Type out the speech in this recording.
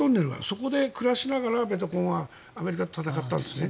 そこで暮らしながらベトコンはアメリカと戦ったんですね。